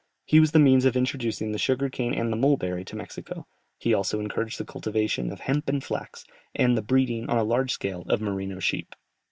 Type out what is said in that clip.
He was the means of introducing the sugar cane and the mulberry into Mexico, he also encouraged the cultivation of hemp and flax, and the breeding, on a large scale, of merino sheep.